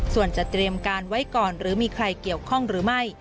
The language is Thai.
ส่วนจะเตรียมการไว้ก่อนหรือมีใครเกี่ยวข้องหรือไม่